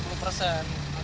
hampir empat puluh persen